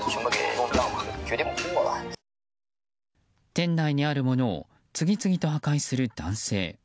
店内にあるものを次々と破壊する男性。